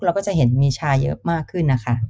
เราก็จะเห็นมีชายเยอะมากขึ้นนะคะ